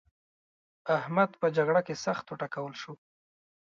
احمد په جګړه کې سخت وټکول شو.